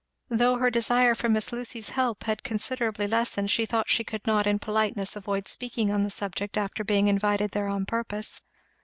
Though her desire for Miss Lucy's "help" had considerably lessened she thought she could not in politeness avoid speaking on the subject, after being invited there on purpose.